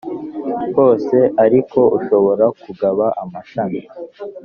hose ariko ushobora kugaba amashami